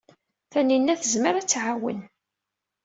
Tanina tezmer ad d-tɛawen.